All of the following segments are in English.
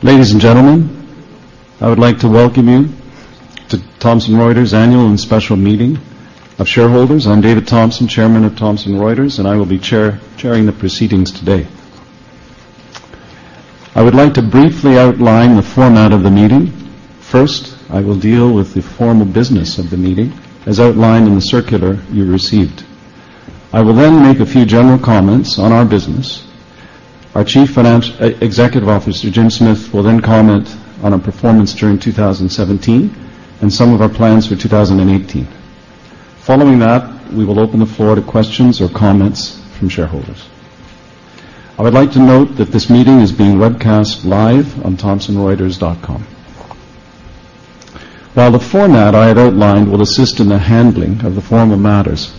Ladies and gentlemen, I would like to welcome you to Thomson Reuters annual and special meeting of shareholders. I'm David Thomson, Chairman of Thomson Reuters, and I will be chairing the proceedings today. I would like to briefly outline the format of the meeting. First, I will deal with the formal business of the meeting, as outlined in the circular you received. I will then make a few general comments on our business. Our Chief Executive Officer, Jim Smith, will then comment on our performance during 2017 and some of our plans for 2018. Following that, we will open the floor to questions or comments from shareholders. I would like to note that this meeting is being webcast live on thomsonreuters.com. While the format I had outlined will assist in the handling of the formal matters,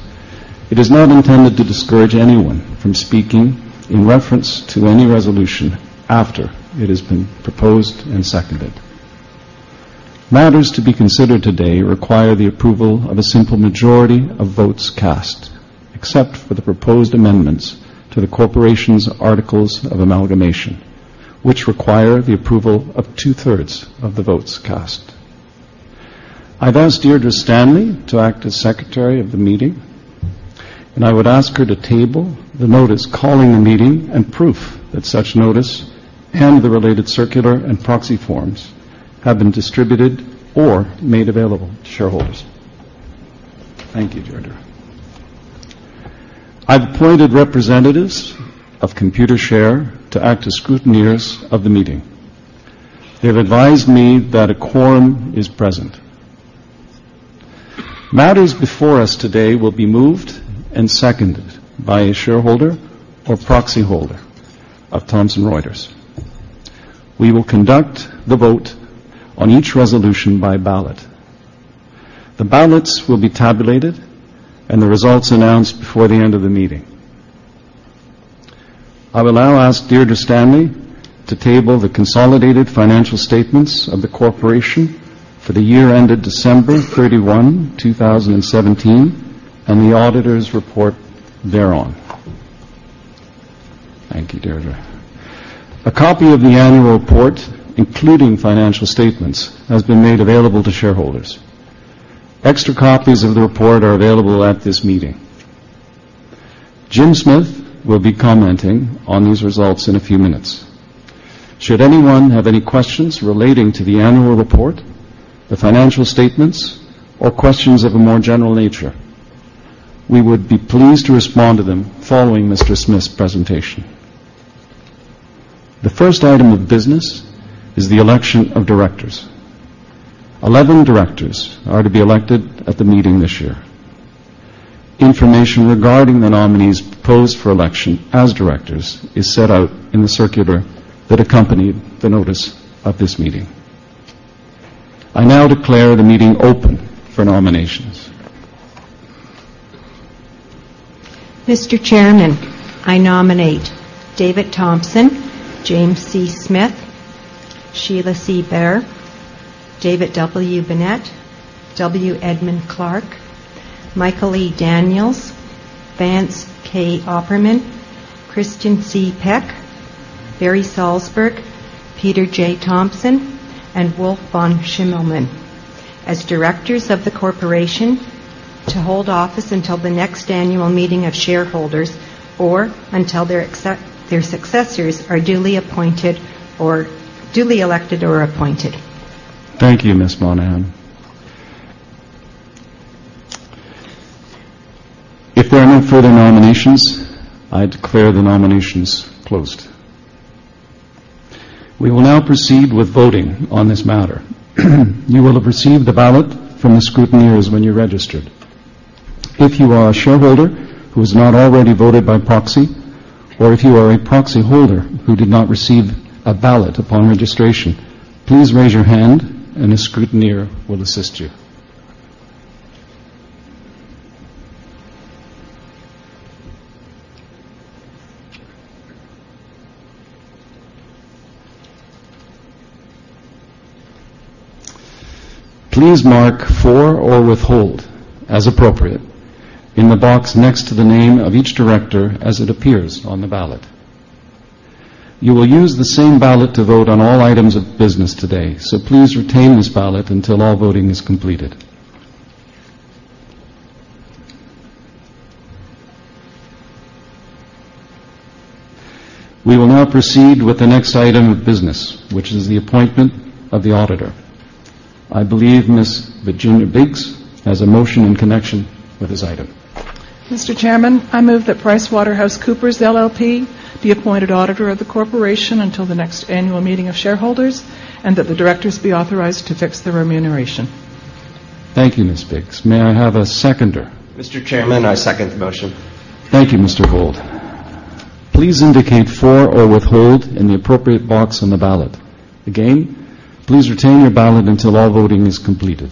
it is not intended to discourage anyone from speaking in reference to any resolution after it has been proposed and seconded. Matters to be considered today require the approval of a simple majority of votes cast, except for the proposed amendments to the corporation's articles of amalgamation, which require the approval of two-thirds of the votes cast. I've asked Deirdre Stanley to act as Secretary of the meeting, and I would ask her to table the notice calling the meeting and proof that such notice and the related circular and proxy forms have been distributed or made available to shareholders. Thank you, Deirdre. I've appointed representatives of Computershare to act as scrutineers of the meeting. They have advised me that a quorum is present. Matters before us today will be moved and seconded by a shareholder or proxy holder of Thomson Reuters. We will conduct the vote on each resolution by ballot. The ballots will be tabulated and the results announced before the end of the meeting. I will now ask Deirdre Stanley to table the consolidated financial statements of the corporation for the year ended December 31, 2017, and the auditor's report thereon. Thank you, Deirdre. A copy of the annual report, including financial statements, has been made available to shareholders. Extra copies of the report are available at this meeting. Jim Smith will be commenting on these results in a few minutes. Should anyone have any questions relating to the annual report, the financial statements, or questions of a more general nature, we would be pleased to respond to them following Mr. Smith's presentation. The first item of business is the election of directors. 11 directors are to be elected at the meeting this year. Information regarding the nominees proposed for election as directors is set out in the circular that accompanied the notice of this meeting. I now declare the meeting open for nominations. Mr. Chairman, I nominate David Thomson, James C. Smith, Sheila C. Bair, David W. Burnett, W. Edmund Clark, Michael E. Daniels, Vance D. Opperman, Kristin C. Peck, Barry Salzberg, Peter J. Thomson, and Wulf von Schimmelmann as directors of the corporation to hold office until the next annual meeting of shareholders or until their successors are duly appointed or duly elected or appointed. Thank you, Ms. Monahan. If there are no further nominations, I declare the nominations closed. We will now proceed with voting on this matter. You will have received the ballot from the scrutineers when you registered. If you are a shareholder who has not already voted by proxy, or if you are a proxy holder who did not receive a ballot upon registration, please raise your hand, and a scrutineer will assist you. Please mark for or withhold, as appropriate, in the box next to the name of each director as it appears on the ballot. You will use the same ballot to vote on all items of business today, so please retain this ballot until all voting is completed. We will now proceed with the next item of business, which is the appointment of the auditor. I believe Ms. Virginia Biggs has a motion in connection with this item. Mr. Chairman, I move that PricewaterhouseCoopers LLP be appointed auditor of the corporation until the next annual meeting of shareholders and that the directors be authorized to fix their remuneration. Thank you, Ms. Biggs. May I have a seconder? Mr. Chairman, I second the motion. Thank you, Mr. Gold. Please indicate for or withhold in the appropriate box on the ballot. Again, please retain your ballot until all voting is completed.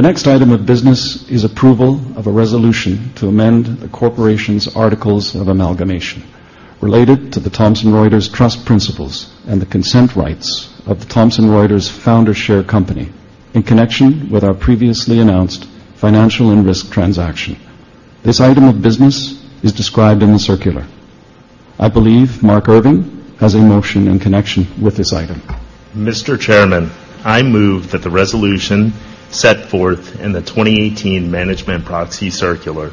The next item of business is approval of a resolution to amend the corporation's Articles of Amalgamation related to the Thomson Reuters Trust Principles and the consent rights of the Thomson Reuters Founders Share Company in connection with our previously announced Financial and Risk transaction. This item of business is described in the circular. I believe Mark Irving has a motion in connection with this item. Mr. Chairman, I move that the resolution set forth in the 2018 Management Proxy Circular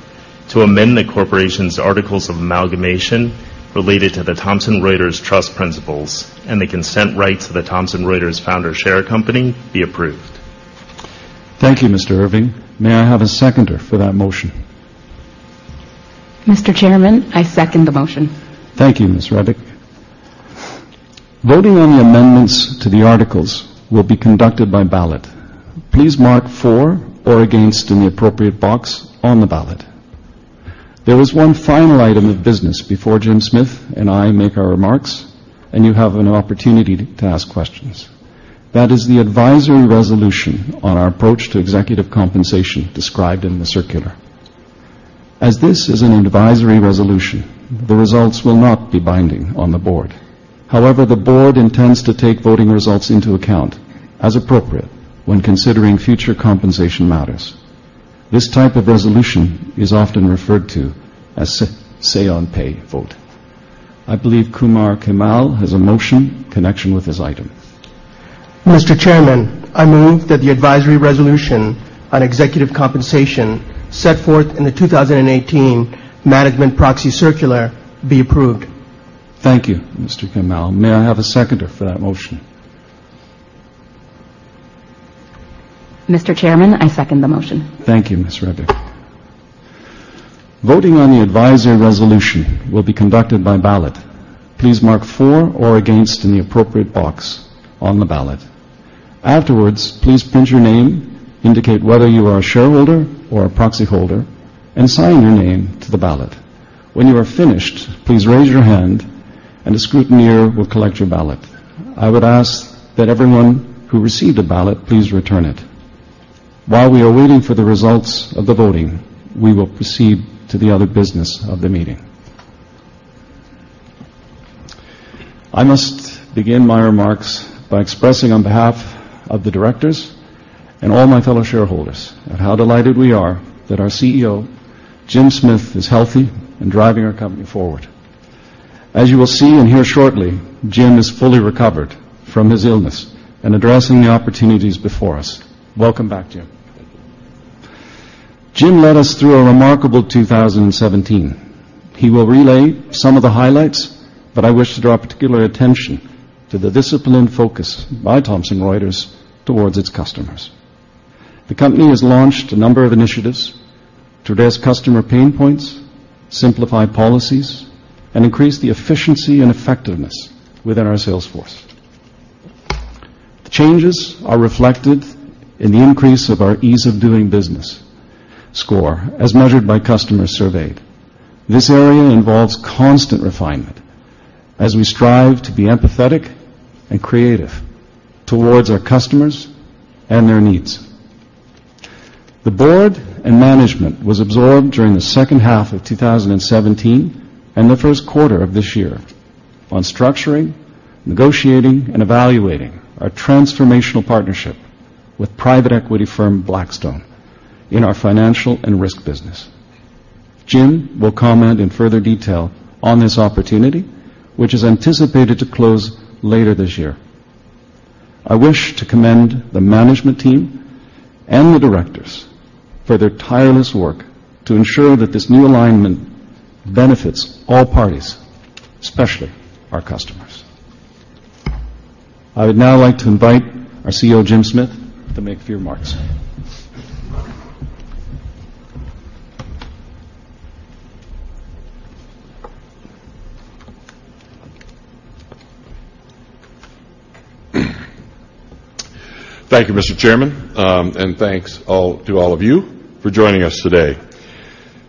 to amend the corporation's Articles of Amalgamation related to the Thomson Reuters Trust Principles and the consent rights of the Thomson Reuters Founders Share Company be approved. Thank you, Mr. Irving. May I have a seconder for that motion? Mr. Chairman, I second the motion. Thank you, Ms. Reddick. Voting on the amendments to the articles will be conducted by ballot. Please mark for or against in the appropriate box on the ballot. There is one final item of business before Jim Smith and I make our remarks, and you have an opportunity to ask questions. That is the advisory resolution on our approach to executive compensation described in the circular. As this is an advisory resolution, the results will not be binding on the board. However, the board intends to take voting results into account as appropriate when considering future compensation matters. This type of resolution is often referred to as a Say-on-Pay vote. I believe Kumar Kemal has a motion in connection with this item. Mr. Chairman, I move that the advisory resolution on executive compensation set forth in the 2018 Management Proxy Circular be approved. Thank you, Mr. Kemal. May I have a seconder for that motion? Mr. Chairman, I second the motion. Thank you, Ms. Rebick. Voting on the advisory resolution will be conducted by ballot. Please mark for or against in the appropriate box on the ballot. Afterwards, please print your name, indicate whether you are a shareholder or a proxy holder, and sign your name to the ballot. When you are finished, please raise your hand, and a scrutineer will collect your ballot. I would ask that everyone who received a ballot please return it. While we are waiting for the results of the voting, we will proceed to the other business of the meeting. I must begin my remarks by expressing on behalf of the directors and all my fellow shareholders how delighted we are that our CEO, Jim Smith, is healthy and driving our company forward. As you will see and hear shortly, Jim is fully recovered from his illness and addressing the opportunities before us. Welcome back, Jim. Jim led us through a remarkable 2017. He will relay some of the highlights, but I wish to draw particular attention to the disciplined focus by Thomson Reuters towards its customers. The company has launched a number of initiatives to address customer pain points, simplify policies, and increase the efficiency and effectiveness within our sales force. Changes are reflected in the increase of our ease of doing business score as measured by customers surveyed. This area involves constant refinement as we strive to be empathetic and creative towards our customers and their needs. The board and management was absorbed during the second half of 2017 and the first quarter of this year on structuring, negotiating, and evaluating our transformational partnership with private equity firm Blackstone in our financial and risk business. Jim will comment in further detail on this opportunity, which is anticipated to close later this year. I wish to commend the management team and the directors for their tireless work to ensure that this new alignment benefits all parties, especially our customers. I would now like to invite our CEO, Jim Smith, to make a few remarks. Thank you, Mr. Chairman, and thanks to all of you for joining us today.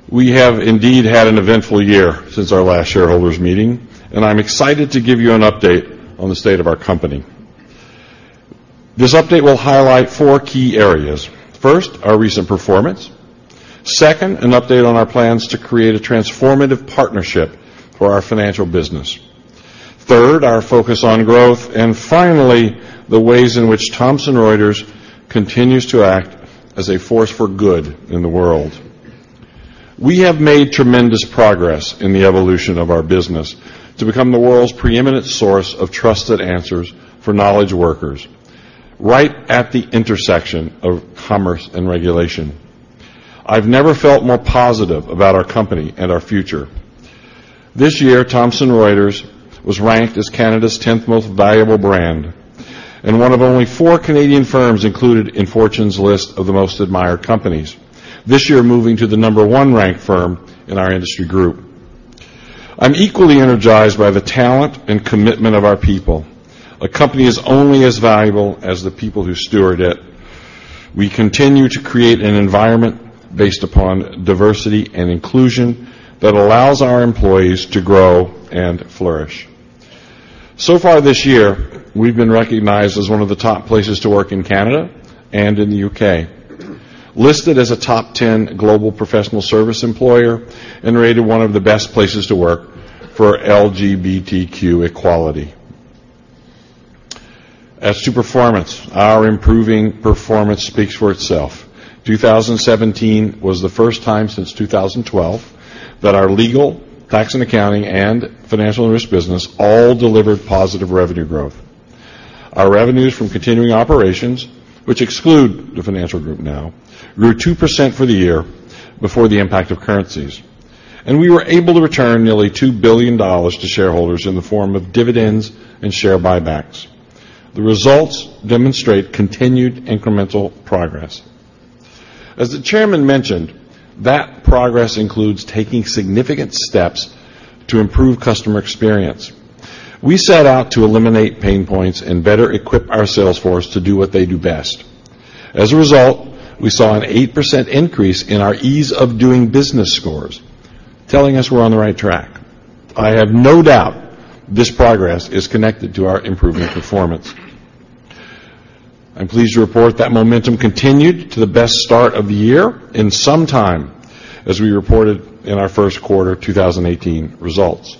We have indeed had an eventful year since our last shareholders' meeting, and I'm excited to give you an update on the state of our company. This update will highlight four key areas. First, our recent performance. Second, an update on our plans to create a transformative partnership for our financial business. Third, our focus on growth. And finally, the ways in which Thomson Reuters continues to act as a force for good in the world. We have made tremendous progress in the evolution of our business to become the world's preeminent source of trusted answers for knowledge workers right at the intersection of commerce and regulation. I've never felt more positive about our company and our future. This year, Thomson Reuters was ranked as Canada's 10th most valuable brand and one of only four Canadian firms included in Fortune's list of the most admired companies, this year moving to the number one ranked firm in our industry group. I'm equally energized by the talent and commitment of our people. A company is only as valuable as the people who steward it. We continue to create an environment based upon diversity and inclusion that allows our employees to grow and flourish. So far this year, we've been recognized as one of the top places to work in Canada and in the UK, listed as a top 10 global professional service employer, and rated one of the best places to work for LGBTQ equality. As to performance, our improving performance speaks for itself. 2017 was the first time since 2012 that our Legal, Tax and Accounting, and Financial and Risk business all delivered positive revenue growth. Our revenues from continuing operations, which exclude the financial group now, grew 2% for the year before the impact of currencies. We were able to return nearly $2 billion to shareholders in the form of dividends and share buybacks. The results demonstrate continued incremental progress. As the Chairman mentioned, that progress includes taking significant steps to improve customer experience. We set out to eliminate pain points and better equip our sales force to do what they do best. As a result, we saw an 8% increase in our ease of doing business scores, telling us we're on the right track. I have no doubt this progress is connected to our improving performance. I'm pleased to report that momentum continued to the best start of the year in some time as we reported in our first quarter 2018 results.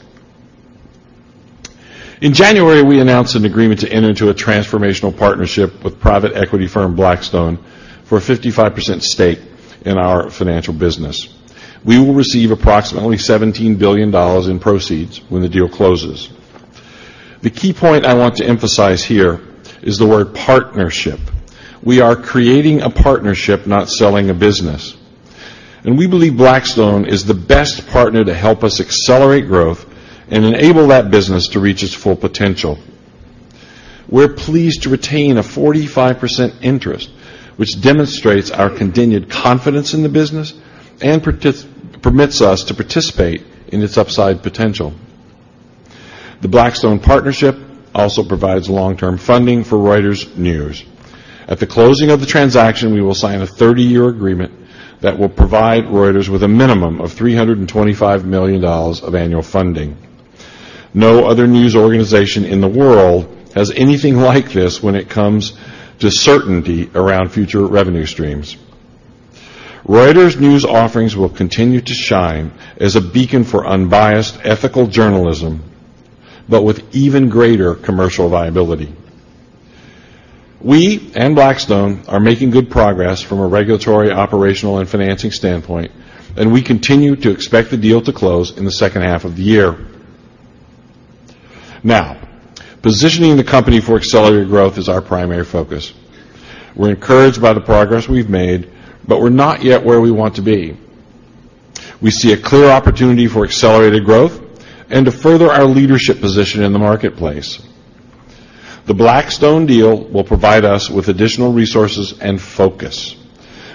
In January, we announced an agreement to enter into a transformational partnership with private equity firm Blackstone for a 55% stake in our financial business. We will receive approximately $17 billion in proceeds when the deal closes. The key point I want to emphasize here is the word partnership. We are creating a partnership, not selling a business. And we believe Blackstone is the best partner to help us accelerate growth and enable that business to reach its full potential. We're pleased to retain a 45% interest, which demonstrates our continued confidence in the business and permits us to participate in its upside potential. The Blackstone partnership also provides long-term funding for Reuters News. At the closing of the transaction, we will sign a 30-year agreement that will provide Reuters with a minimum of $325 million of annual funding. No other news organization in the world has anything like this when it comes to certainty around future revenue streams. Reuters News offerings will continue to shine as a beacon for unbiased, ethical journalism, but with even greater commercial viability. We and Blackstone are making good progress from a regulatory, operational, and financing standpoint, and we continue to expect the deal to close in the second half of the year. Now, positioning the company for accelerated growth is our primary focus. We're encouraged by the progress we've made, but we're not yet where we want to be. We see a clear opportunity for accelerated growth and to further our leadership position in the marketplace. The Blackstone deal will provide us with additional resources and focus.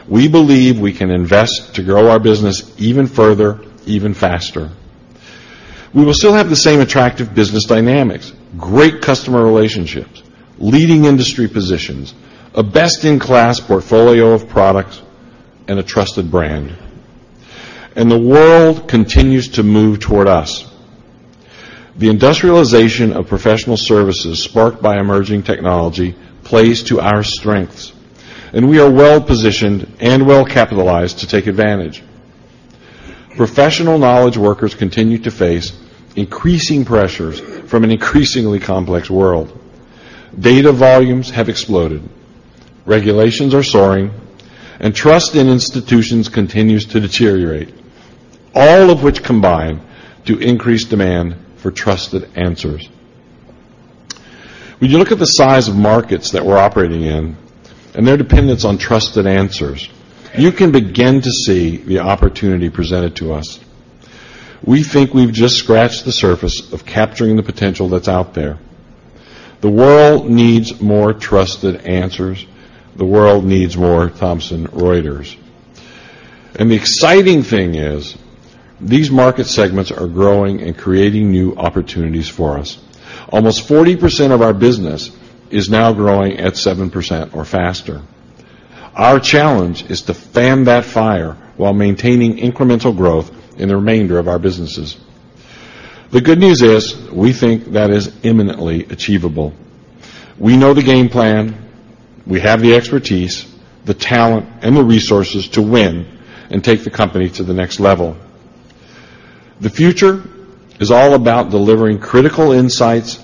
We believe we can invest to grow our business even further, even faster. We will still have the same attractive business dynamics, great customer relationships, leading industry positions, a best-in-class portfolio of products, and a trusted brand. And the world continues to move toward us. The industrialization of professional services sparked by emerging technology plays to our strengths, and we are well-positioned and well-capitalized to take advantage. Professional knowledge workers continue to face increasing pressures from an increasingly complex world. Data volumes have exploded, regulations are soaring, and trust in institutions continues to deteriorate, all of which combine to increase demand for trusted answers. When you look at the size of markets that we're operating in and their dependence on trusted answers, you can begin to see the opportunity presented to us. We think we've just scratched the surface of capturing the potential that's out there. The world needs more trusted answers. The world needs more Thomson Reuters. The exciting thing is these market segments are growing and creating new opportunities for us. Almost 40% of our business is now growing at 7% or faster. Our challenge is to fan that fire while maintaining incremental growth in the remainder of our businesses. The good news is we think that is imminently achievable. We know the game plan. We have the expertise, the talent, and the resources to win and take the company to the next level. The future is all about delivering critical insights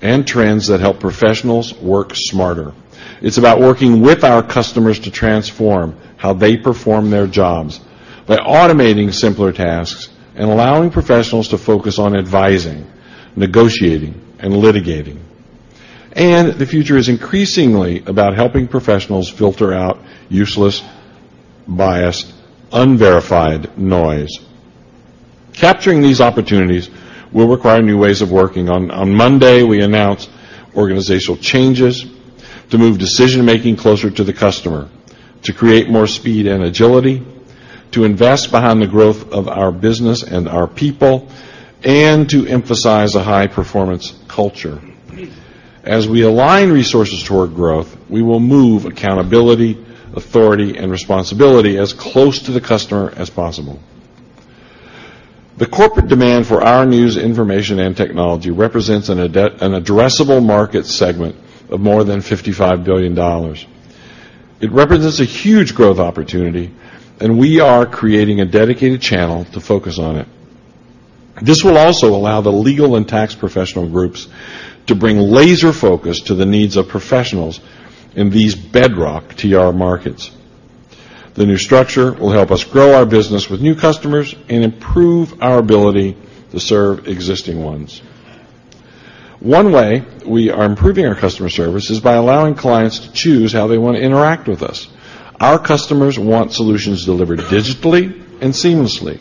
and trends that help professionals work smarter. It's about working with our customers to transform how they perform their jobs by automating simpler tasks and allowing professionals to focus on advising, negotiating, and litigating. The future is increasingly about helping professionals filter out useless, biased, unverified noise. Capturing these opportunities will require new ways of working. On Monday, we announced organizational changes to move decision-making closer to the customer, to create more speed and agility, to invest behind the growth of our business and our people, and to emphasize a high-performance culture. As we align resources toward growth, we will move accountability, authority, and responsibility as close to the customer as possible. The corporate demand for our news, information, and technology represents an addressable market segment of more than $55 billion. It represents a huge growth opportunity, and we are creating a dedicated channel to focus on it. This will also allow the legal and tax professional groups to bring laser focus to the needs of professionals in these bedrock TR markets. The new structure will help us grow our business with new customers and improve our ability to serve existing ones. One way we are improving our customer service is by allowing clients to choose how they want to interact with us. Our customers want solutions delivered digitally and seamlessly.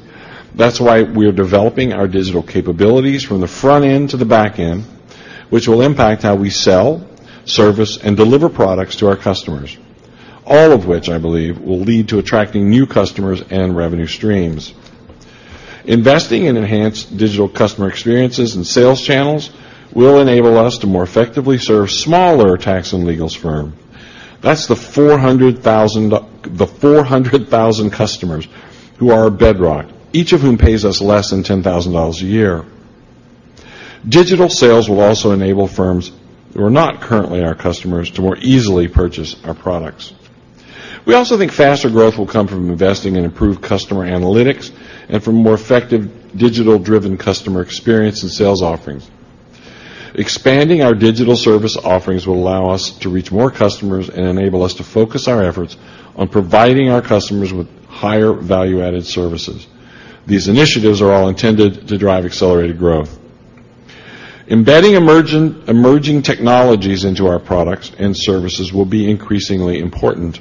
That's why we are developing our digital capabilities from the front end to the back end, which will impact how we sell, service, and deliver products to our customers, all of which I believe will lead to attracting new customers and revenue streams. Investing in enhanced digital customer experiences and sales channels will enable us to more effectively serve smaller tax and legal firms. That's the 400,000 customers who are bedrock, each of whom pays us less than $10,000 a year. Digital sales will also enable firms who are not currently our customers to more easily purchase our products. We also think faster growth will come from investing in improved customer analytics and from more effective digital-driven customer experience and sales offerings. Expanding our digital service offerings will allow us to reach more customers and enable us to focus our efforts on providing our customers with higher value-added services. These initiatives are all intended to drive accelerated growth. Embedding emerging technologies into our products and services will be increasingly important.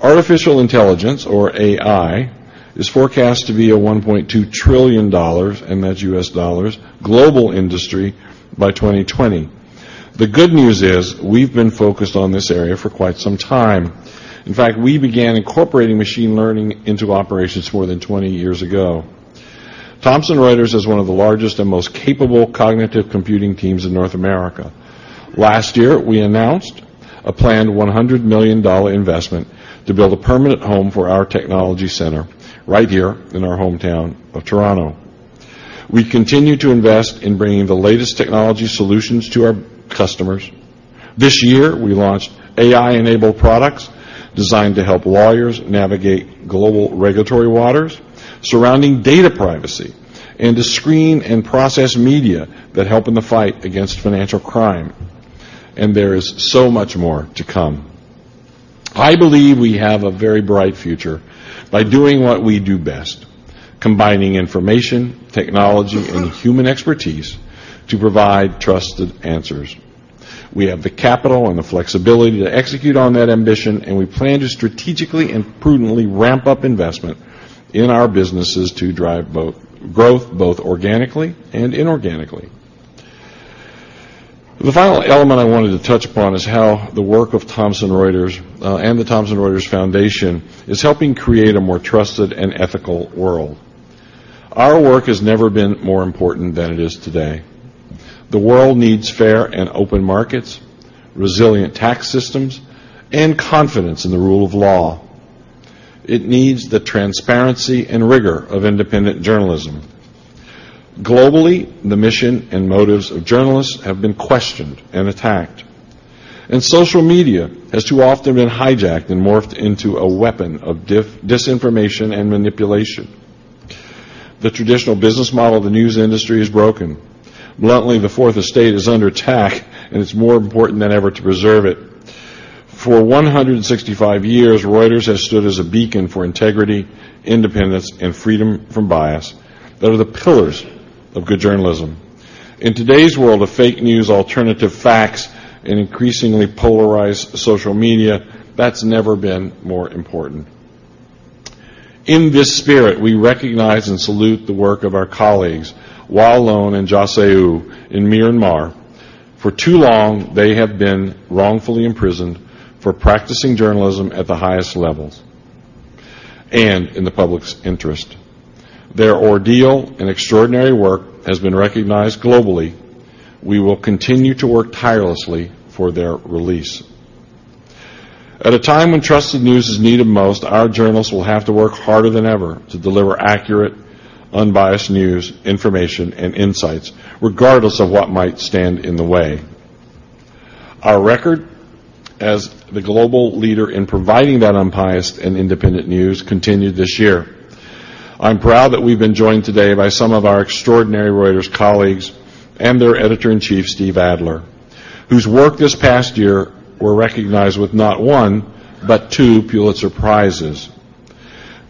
Artificial intelligence, or AI, is forecast to be a $1.2 trillion, in U.S. dollars, global industry by 2020. The good news is we've been focused on this area for quite some time. In fact, we began incorporating machine learning into operations more than 20 years ago. Thomson Reuters has one of the largest and most capable cognitive computing teams in North America. Last year, we announced a planned $100 million investment to build a permanent home for our technology center right here in our hometown of Toronto. We continue to invest in bringing the latest technology solutions to our customers. This year, we launched AI-enabled products designed to help lawyers navigate global regulatory waters surrounding data privacy and to screen and process media that help in the fight against financial crime. And there is so much more to come. I believe we have a very bright future by doing what we do best: combining information, technology, and human expertise to provide trusted answers. We have the capital and the flexibility to execute on that ambition, and we plan to strategically and prudently ramp up investment in our businesses to drive growth both organically and inorganically. The final element I wanted to touch upon is how the work of Thomson Reuters and the Thomson Reuters Foundation is helping create a more trusted and ethical world. Our work has never been more important than it is today. The world needs fair and open markets, resilient tax systems, and confidence in the rule of law. It needs the transparency and rigor of independent journalism. Globally, the mission and motives of journalists have been questioned and attacked, and social media has too often been hijacked and morphed into a weapon of disinformation and manipulation. The traditional business model of the news industry is broken. Bluntly, the Fourth Estate is under attack, and it's more important than ever to preserve it. For 165 years, Reuters has stood as a beacon for integrity, independence, and freedom from bias that are the pillars of good journalism. In today's world of fake news, alternative facts, and increasingly polarized social media, that's never been more important. In this spirit, we recognize and salute the work of our colleagues, Wa Lone and Kyaw Soe Oo, in Myanmar. For too long, they have been wrongfully imprisoned for practicing journalism at the highest levels and in the public's interest. Their ordeal and extraordinary work has been recognized globally. We will continue to work tirelessly for their release. At a time when trusted news is needed most, our journalists will have to work harder than ever to deliver accurate, unbiased news, information, and insights, regardless of what might stand in the way. Our record as the global leader in providing that unbiased and independent news continued this year. I'm proud that we've been joined today by some of our extraordinary Reuters colleagues and their editor-in-chief, Steve Adler, whose work this past year was recognized with not one but two Pulitzer Prizes.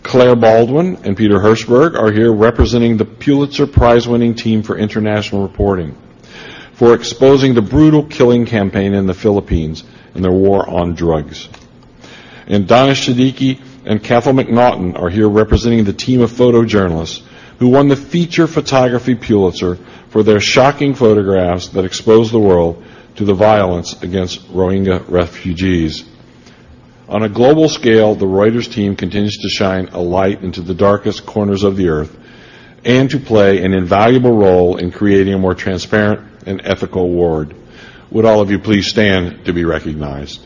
Claire Baldwin and Peter Hirschberg are here representing the Pulitzer Prize-winning team for international reporting for exposing the brutal killing campaign in the Philippines and their war on drugs. And Danish Siddiqui and Cathal McNaughton are here representing the team of photojournalists who won the Feature Photography Pulitzer for their shocking photographs that exposed the world to the violence against Rohingya refugees. On a global scale, the Reuters team continues to shine a light into the darkest corners of the earth and to play an invaluable role in creating a more transparent and ethical world. Would all of you please stand to be recognized?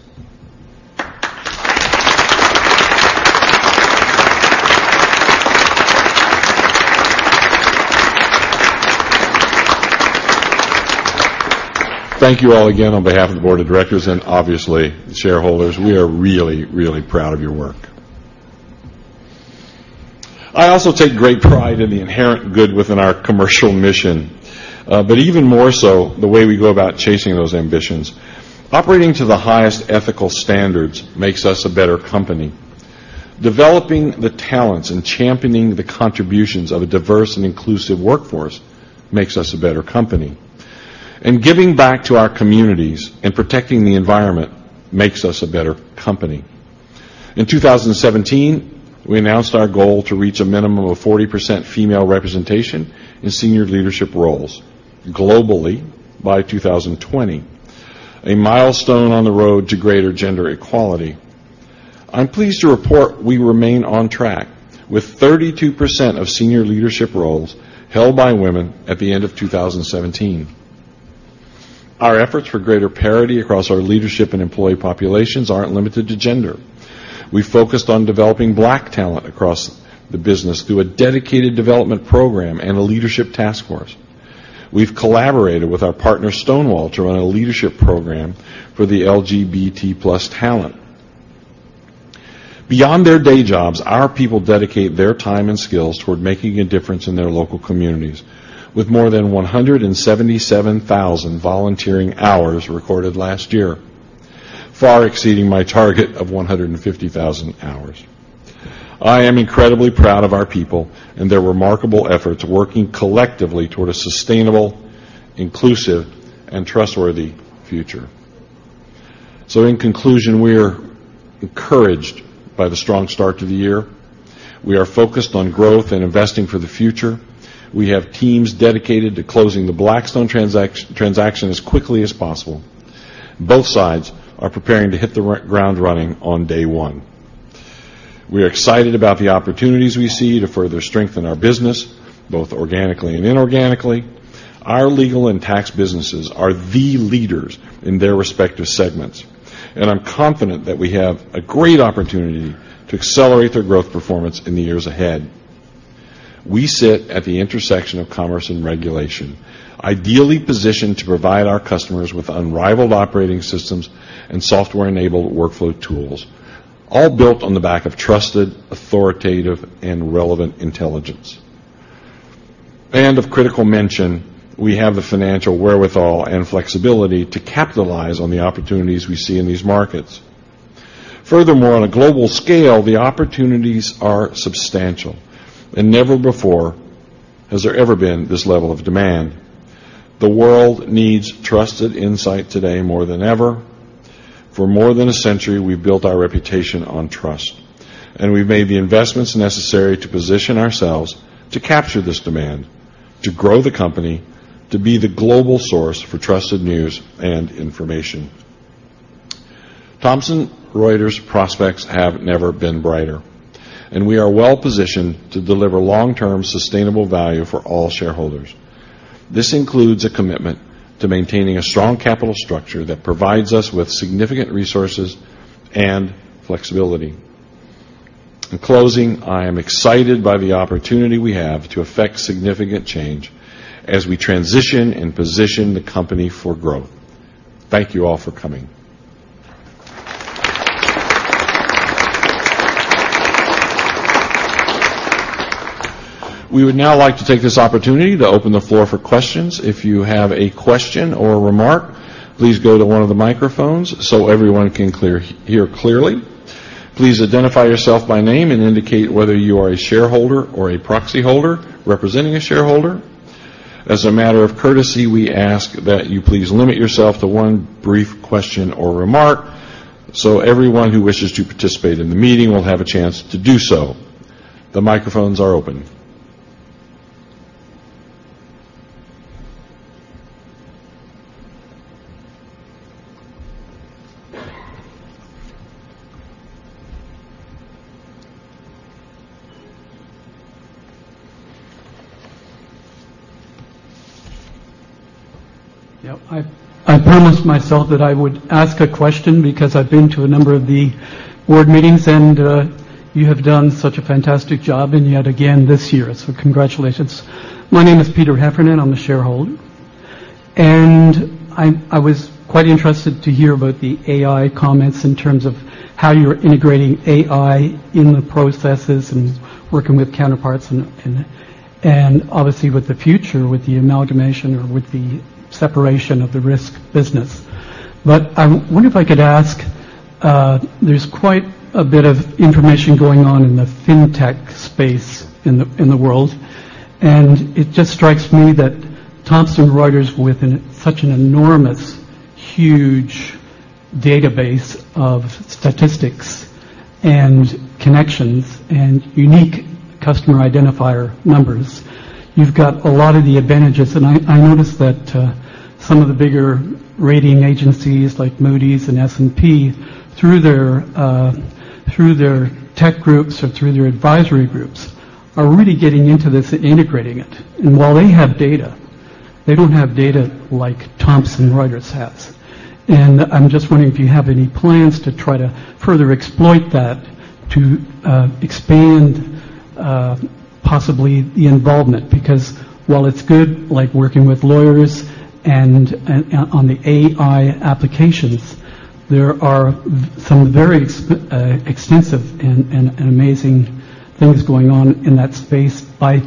Thank you all again on behalf of the board of directors and, obviously, the shareholders. We are really, really proud of your work. I also take great pride in the inherent good within our commercial mission, but even more so the way we go about chasing those ambitions. Operating to the highest ethical standards makes us a better company. Developing the talents and championing the contributions of a diverse and inclusive workforce makes us a better company. And giving back to our communities and protecting the environment makes us a better company. In 2017, we announced our goal to reach a minimum of 40% female representation in senior leadership roles globally by 2020, a milestone on the road to greater gender equality. I'm pleased to report we remain on track with 32% of senior leadership roles held by women at the end of 2017. Our efforts for greater parity across our leadership and employee populations aren't limited to gender. We focused on developing black talent across the business through a dedicated development program and a leadership task force. We've collaborated with our partner, Stonewall, to run a leadership program for the LGBT+ talent. Beyond their day jobs, our people dedicate their time and skills toward making a difference in their local communities, with more than 177,000 volunteering hours recorded last year, far exceeding my target of 150,000 hours. I am incredibly proud of our people and their remarkable efforts working collectively toward a sustainable, inclusive, and trustworthy future. So, in conclusion, we are encouraged by the strong start to the year. We are focused on growth and investing for the future. We have teams dedicated to closing the Blackstone transaction as quickly as possible. Both sides are preparing to hit the ground running on day one. We are excited about the opportunities we see to further strengthen our business, both organically and inorganically. Our legal and tax businesses are the leaders in their respective segments, and I'm confident that we have a great opportunity to accelerate their growth performance in the years ahead. We sit at the intersection of commerce and regulation, ideally positioned to provide our customers with unrivaled operating systems and software-enabled workflow tools, all built on the back of trusted, authoritative, and relevant intelligence. And of critical mention, we have the financial wherewithal and flexibility to capitalize on the opportunities we see in these markets. Furthermore, on a global scale, the opportunities are substantial. And never before has there ever been this level of demand. The world needs trusted insight today more than ever. For more than a century, we've built our reputation on trust, and we've made the investments necessary to position ourselves to capture this demand, to grow the company, to be the global source for trusted news and information. Thomson Reuters prospects have never been brighter, and we are well-positioned to deliver long-term sustainable value for all shareholders. This includes a commitment to maintaining a strong capital structure that provides us with significant resources and flexibility. In closing, I am excited by the opportunity we have to affect significant change as we transition and position the company for growth. Thank you all for coming. We would now like to take this opportunity to open the floor for questions. If you have a question or a remark, please go to one of the microphones so everyone can hear clearly. Please identify yourself by name and indicate whether you are a shareholder or a proxy holder representing a shareholder. As a matter of courtesy, we ask that you please limit yourself to one brief question or remark so everyone who wishes to participate in the meeting will have a chance to do so. The microphones are open. Yep. I promised myself that I would ask a question because I've been to a number of the board meetings, and you have done such a fantastic job, and yet again this year, so congratulations. My name is Peter Heffernan. I'm a shareholder, and I was quite interested to hear about the AI comments in terms of how you're integrating AI in the processes and working with counterparts and, obviously, with the future, with the amalgamation or with the separation of the risk business. But I wonder if I could ask, there's quite a bit of information going on in the fintech space in the world, and it just strikes me that Thomson Reuters, with such an enormous, huge database of statistics and connections and unique customer identifier numbers, you've got a lot of the advantages. And I noticed that some of the bigger rating agencies like Moody's and S&P, through their tech groups or through their advisory groups, are really getting into this and integrating it. And while they have data, they don't have data like Thomson Reuters has. And I'm just wondering if you have any plans to try to further exploit that to expand possibly the involvement because, while it's good, like working with lawyers and on the AI applications, there are some very extensive and amazing things going on in that space by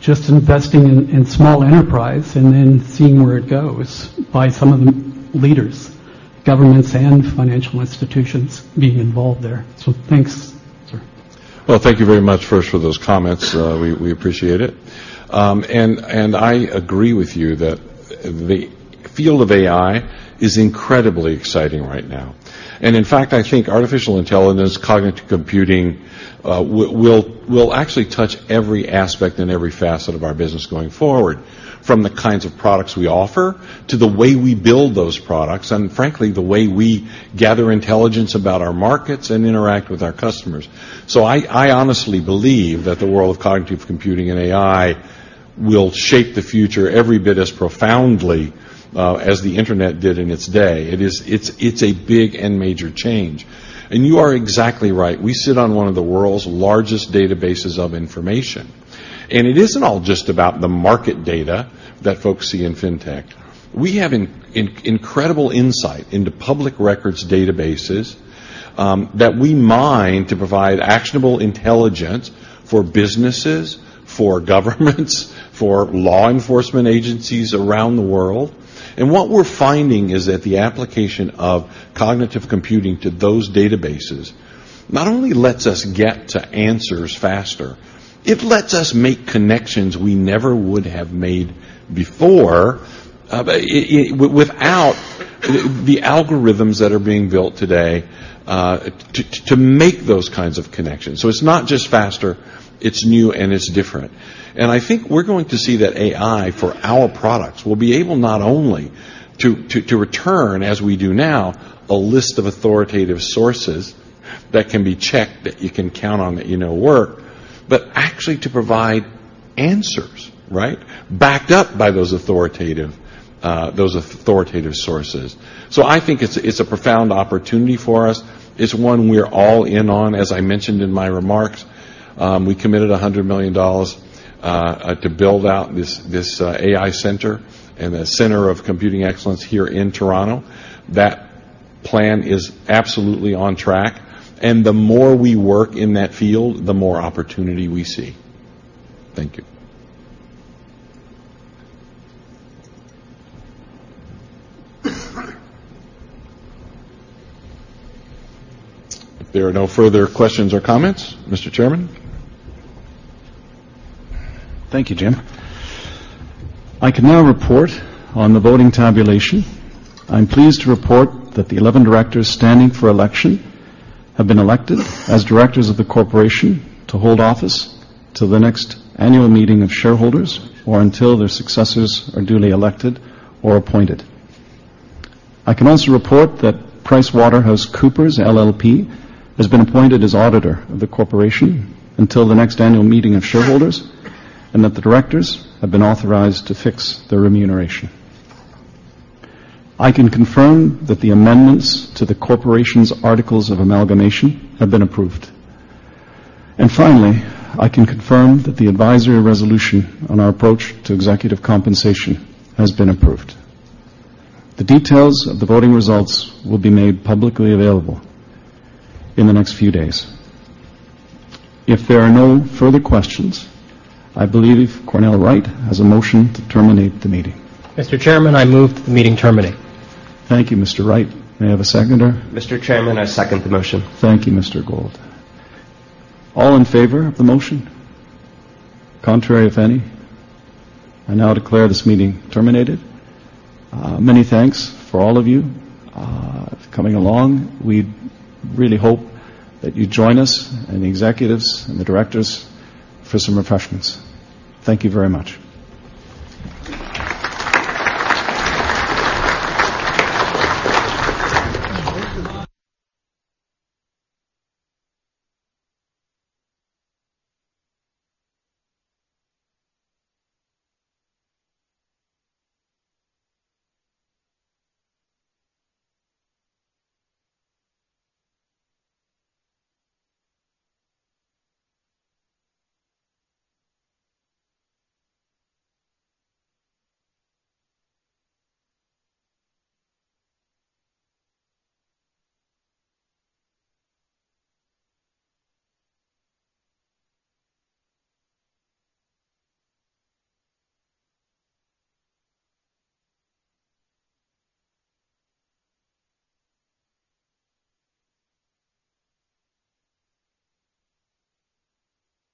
just investing in small enterprise and then seeing where it goes by some of the leaders, governments, and financial institutions being involved there. So thanks, sir. Well, thank you very much, first, for those comments. We appreciate it. And I agree with you that the field of AI is incredibly exciting right now. And, in fact, I think artificial intelligence, cognitive computing will actually touch every aspect and every facet of our business going forward, from the kinds of products we offer to the way we build those products and, frankly, the way we gather intelligence about our markets and interact with our customers. So I honestly believe that the world of cognitive computing and AI will shape the future every bit as profoundly as the internet did in its day. It's a big and major change. And you are exactly right. We sit on one of the world's largest databases of information. And it isn't all just about the market data that folks see in fintech. We have incredible insight into public records databases that we mine to provide actionable intelligence for businesses, for governments, for law enforcement agencies around the world. And what we're finding is that the application of cognitive computing to those databases not only lets us get to answers faster, it lets us make connections we never would have made before without the algorithms that are being built today to make those kinds of connections. So it's not just faster. It's new, and it's different. And I think we're going to see that AI for our products will be able not only to return, as we do now, a list of authoritative sources that can be checked, that you can count on, that you know work, but actually to provide answers, right, backed up by those authoritative sources. So I think it's a profound opportunity for us. It's one we're all in on. As I mentioned in my remarks, we committed $100 million to build out this AI center and the Center of Computing Excellence here in Toronto. That plan is absolutely on track, and the more we work in that field, the more opportunity we see. Thank you. If there are no further questions or comments, Mr. Chairman? Thank you, Jim. I can now report on the voting tabulation. I'm pleased to report that the 11 directors standing for election have been elected as directors of the corporation to hold office till the next annual meeting of shareholders or until their successors are duly elected or appointed. I can also report that PricewaterhouseCoopers LLP has been appointed as auditor of the corporation until the next annual meeting of shareholders and that the directors have been authorized to fix their remuneration. I can confirm that the amendments to the corporation's Articles of Amalgamation have been approved. And finally, I can confirm that the advisory resolution on our approach to executive compensation has been approved. The details of the voting results will be made publicly available in the next few days. If there are no further questions, I believe Cornell Wright has a motion to terminate the meeting. Mr. Chairman, I move that the meeting terminate. Thank you, Mr. Wright. May I have a seconder? Mr. Chairman, I second the motion. Thank you, Mr. Gould. All in favor of the motion? Contrary, if any? I now declare this meeting terminated. Many thanks for all of you coming along. We really hope that you join us and the executives and the directors for some refreshments. Thank you very much.